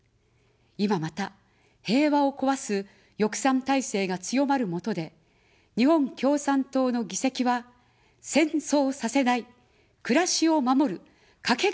いままた、平和を壊す翼賛体制が強まるもとで、日本共産党の議席は、戦争させない、暮らしを守る、かけがえのない力です。